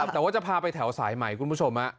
แต่ว่าจะพาไปแถวสายใหม่คุณผู้ชม